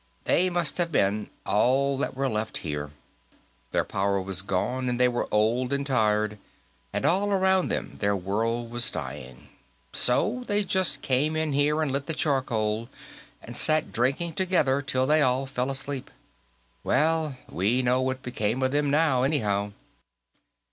They must have been all that were left, here. Their power was gone, and they were old and tired, and all around them their world was dying. So they just came in here and lit the charcoal, and sat drinking together till they all fell asleep. Well, we know what became of them, now, anyhow."